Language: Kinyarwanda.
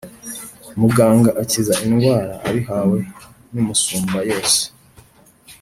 Muganga akiza indwara abihawe n’Umusumbayose,